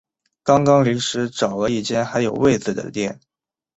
刚刚临时找了一间还有位子的店